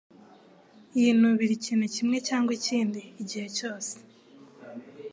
Yinubira ikintu kimwe cyangwa ikindi gihe cyose.